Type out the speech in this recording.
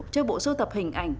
trước bộ sưu tập hình ảnh